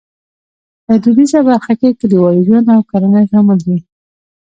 په دودیزه برخه کې کلیوالي ژوند او کرنه شامل دي.